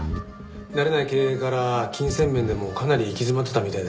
慣れない経営から金銭面でもかなり行き詰まってたみたいだけど。